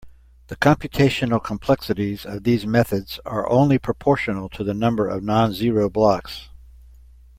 The computational complexities of these methods are only proportional to the number of non-zero blocks.